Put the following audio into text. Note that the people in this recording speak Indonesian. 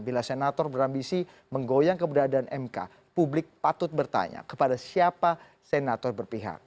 bila senator berambisi menggoyang keberadaan mk publik patut bertanya kepada siapa senator berpihak